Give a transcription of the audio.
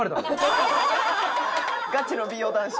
ガチの美容男子。